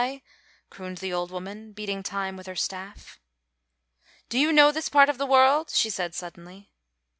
crooned the old woman, beating time with her staff. "Do you know this part of the world?" she said suddenly.